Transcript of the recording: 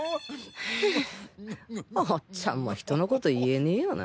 ハハおっちゃんもヒトのこと言えねよな